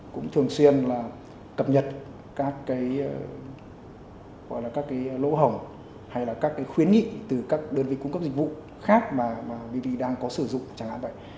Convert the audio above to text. cũng thường xuyên là cập nhật các cái gọi là các cái lỗ hồng hay là các cái khuyến nghị từ các đơn vị cung cấp dịch vụ khác mà bv đang có sử dụng chẳng hạn vậy